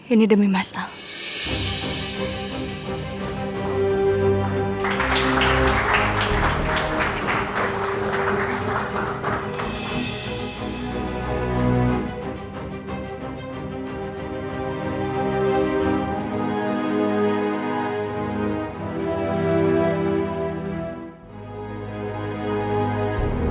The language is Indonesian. ini demi masalah